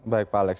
baik pak alex